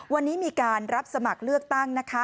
วันนี้มีการรับสมัครเลือกตั้งนะคะ